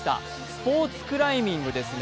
スポーツクライミングですね。